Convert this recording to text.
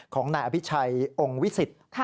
ของนายอภิชัยองค์วิสิต